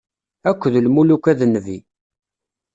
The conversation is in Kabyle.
Akk d lmuluka d Nnbi.